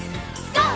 ＧＯ！